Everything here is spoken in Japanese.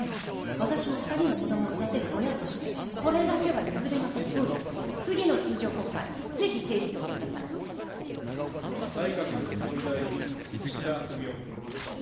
私も２人の子どもを育てる親として、これだけは譲れません、総理、次の通常国会、ぜひ提出してくだ内閣総理大臣、岸田文雄君。